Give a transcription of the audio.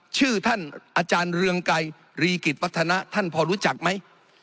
ชื่อท่านอาจารย์เรืองไกรรีกิจวัฒนะท่านพอรู้จักไหม